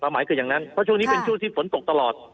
หมายคืออย่างนั้นเพราะช่วงนี้เป็นช่วงที่ฝนตกตลอด